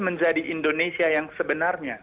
menjadi indonesia yang sebenarnya